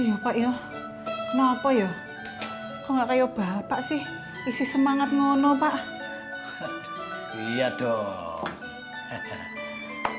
hai pak ya mak safe pharaoh prayer mak kinda enak banget sih isi semangat ngono pak iya dong pak what's good don't want you come home